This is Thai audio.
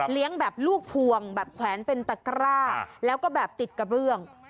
แบบลูกพวงแบบแขวนเป็นตะกร้าแล้วก็แบบติดกระเบื้อง